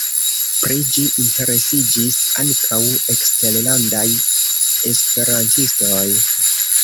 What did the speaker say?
Pri ĝi interesiĝis ankaŭ eksterlandaj esperantistoj.